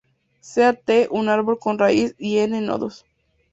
Sea "T" un árbol con raíz y "n" nodos.